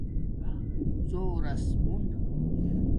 زݸرس مون